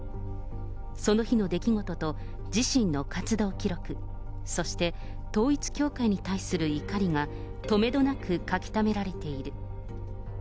その日の出来事と自身の活動記録、そして統一教会に対する怒りがとめどなく書き留められている。